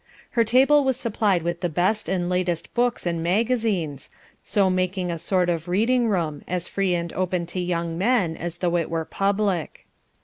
Her table was supplied with the best and latest books and magazines, so making a sort of reading room, as free and open to young men as though it were public.